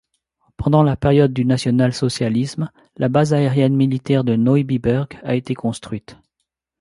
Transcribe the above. Pendant la période du national-socialisme, la base aérienne militaire de Neubiberg a été construite.